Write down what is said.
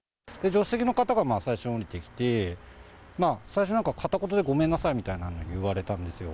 助手席の方が最初に降りてきて、最初なんか、片言でごめんなさいみたいなの言われたんですよ。